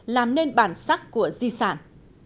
tính bản sắc của di sản